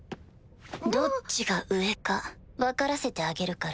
どっちが上か分からせてあげるから。